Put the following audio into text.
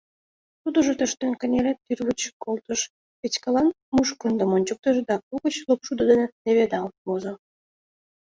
Тудыжо тӧрштен кынеле, тӱрвыч колтыш, Петькалан мушкындым ончыктыш да угыч лопшудо дене леведалт возо.